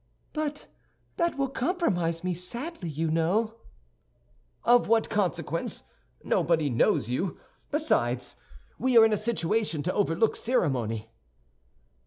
"But that will compromise me sadly, you know." "Of what consequence? Nobody knows you. Besides, we are in a situation to overlook ceremony."